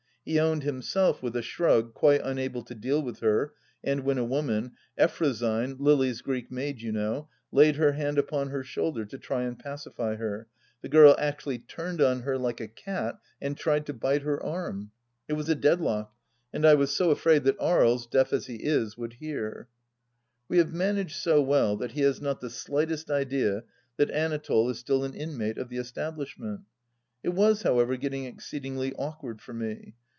He owned himself, with a shrug, quite unable to deal with her, and when a woman, Effrosyne (Lily's Greek maid, you know), laid her hand upon her shoulder to try and pacify her, the girl actually turned on her like a cat and tried to bite her arm. It was a deadlock, and I was so afraid that Aries, deaf as he is, would hear I ... We have managed so well that he has not the slightest idea that Anatole is still an inmate of the establishment. It was however getting exceedingly awkward for me.